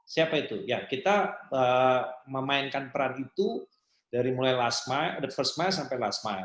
siapa itu ya kita memainkan peran itu dari mulai the first mile sampai last mile